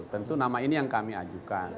tentu nama ini yang kami ajukan